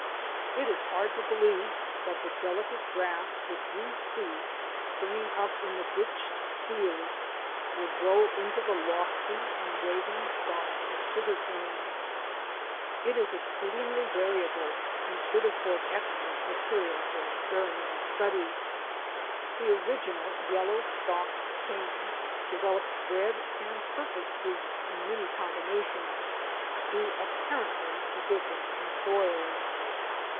It is hard to believe that the delicate grass which we see springing up in the ditched fields will grow into the lofty and waving stalks of sugar cane. It is ex ceedingly variable and should afford excellent material for experimental study. The original yellow stalked cane develops red and purple streaks in many combinations, due apparently to difference in soils.